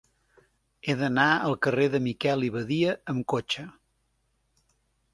He d'anar al carrer de Miquel i Badia amb cotxe.